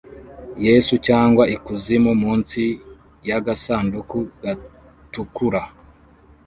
Yesu cyangwa Ikuzimu" munsi yagasanduku gatukura